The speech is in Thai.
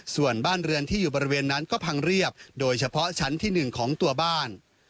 ส่วนบ้านเรือนที่อยู่บริเวณนั้นก็พังเรียบโดยเฉพาะชั้นที่๑ของตัวบ้าน